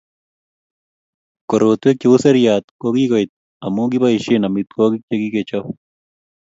Korotwek cheu seryat kokikoit amu kiboisie amitwogik chekikechop